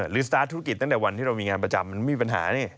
สตาร์ทธุรกิจตั้งแต่วันที่เรามีงานประจำมันมีปัญหานี่